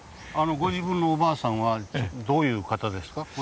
ご自分のおばあさんはどういう方ですか？